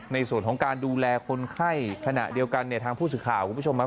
ในส่วนของการดูแลคนไข้ขณะเดียวกันเนี่ยทางผู้สื่อข่าวคุณผู้ชมครับ